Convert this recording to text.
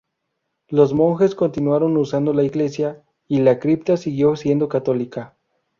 Los monjes continuaron usando la iglesia, y la cripta siguió siendo católica.